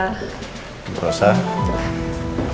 paa rumwa sury especasi